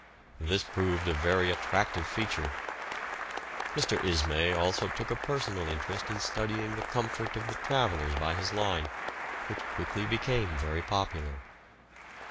This proved a very attractive feature. Mr. Ismay also took a personal interest in studying the comfort of the travellers by his line, which quickly became very popular.